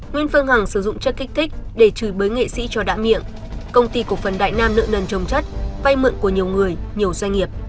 nguyễn phương hằng sử dụng chất kích thích để chửi bới nghệ sĩ cho đã miệng công ty cổ phần đại nam nợ nần trồng chất vay mượn của nhiều người nhiều doanh nghiệp